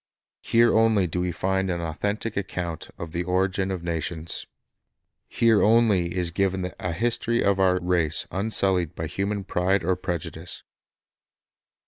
Here only do we find an authentic account of the origin of nations. Here only is given a history of our race unsullied by human pride or prejudice.